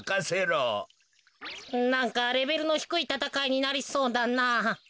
なんかレベルのひくいたたかいになりそうだな。